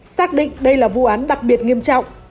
xác định đây là vụ án đặc biệt nghiêm trọng